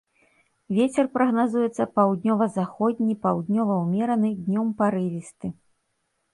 Вецер прагназуецца паўднёва-заходні, паўднёвы ўмераны, днём парывісты.